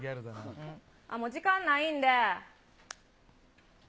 もう時間ないんで。